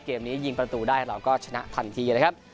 เกมนี้ยิงประตูได้เราก็ชนะทันทีนะครับ